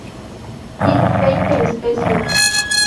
Tiene veinte especies.